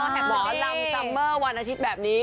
หมอลำซัมเมอร์วันอาทิตย์แบบนี้